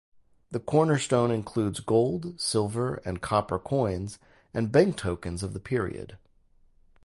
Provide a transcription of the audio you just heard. The cornerstone includes gold, silver and copper coins and bank tokens of the period.